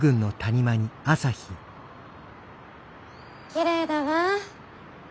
きれいだわ。